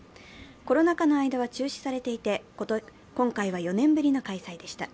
コロナ禍の間は中止されていて、今回は４年ぶりの開催でした。